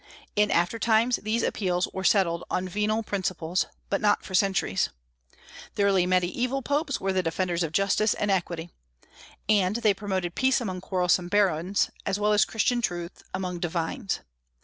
In after times these appeals were settled on venal principles, but not for centuries. The early Mediaeval popes were the defenders of justice and equity. And they promoted peace among quarrelsome barons, as well as Christian truth among divines.